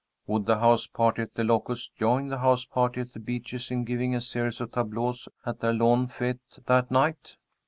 Would the house party at The Locusts join the house party at The Beeches in giving a series of tableaux at their lawn fête that night?